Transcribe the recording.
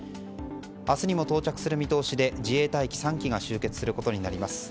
明日にも到着する見通しで自衛隊機３機が集結することになります。